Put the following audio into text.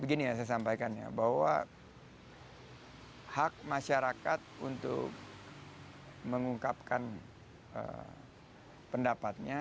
begini yang saya sampaikan ya bahwa hak masyarakat untuk mengungkapkan pendapatnya